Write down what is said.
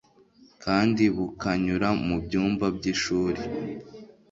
kandi bukanyura mubyumba byishuri